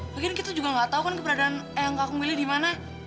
bukannya kita juga gak tau kan keberadaan yang kakung willy dimana